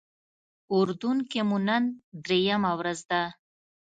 اردن کې مو نن درېیمه ورځ ده.